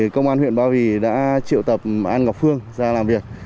công an huyện ba vì đã triệu tập an ngọc phương ra làm việc